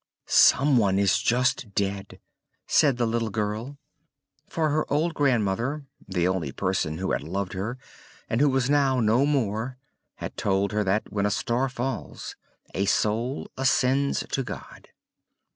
"Someone is just dead!" said the little girl; for her old grandmother, the only person who had loved her, and who was now no more, had told her, that when a star falls, a soul ascends to God.